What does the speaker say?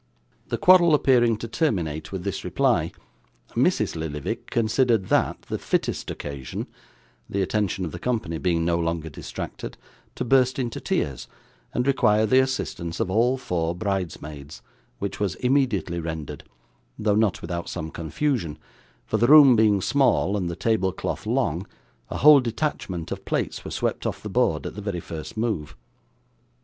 The quarrel appearing to terminate with this reply, Mrs. Lillyvick considered that the fittest occasion (the attention of the company being no longer distracted) to burst into tears, and require the assistance of all four bridesmaids, which was immediately rendered, though not without some confusion, for the room being small and the table cloth long, a whole detachment of plates were swept off the board at the very first move.